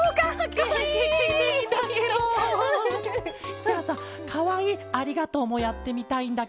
じゃあさかわいい「ありがとう」もやってみたいんだケロ。